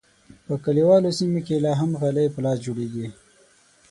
په کلیوالو سیمو کې لا هم غالۍ په لاس جوړیږي.